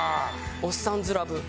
『おっさんずラブ』。